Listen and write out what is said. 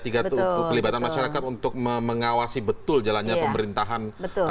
tiga pelibatan masyarakat untuk mengawasi betul jalannya pemerintahan